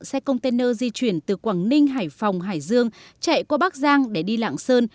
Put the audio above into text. xe container di chuyển từ quảng ninh hải phòng hải dương chạy qua bắc giang để đi lạng sơn